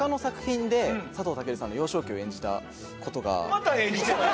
また演じてる？